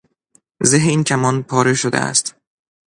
زه این کمان پاره شده است.